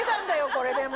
これでも！